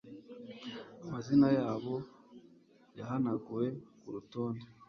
amazina yabo yahanaguwe kurutonde